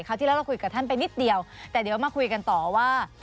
ที่แล้วเราคุยกับท่านไปนิดเดียวแต่เดี๋ยวมาคุยกันต่อว่า